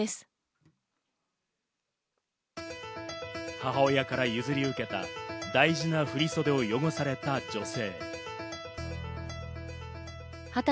母親から譲り受けた大事な振り袖を汚された女性。